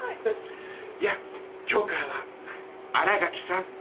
いや今日からは新垣さん。